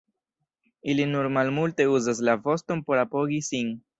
Ili nur malmulte uzas la voston por apogi sin.